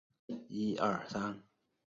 该公司是商业托拉斯发展的创新者。